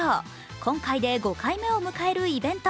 今回で５回目を迎えるイベント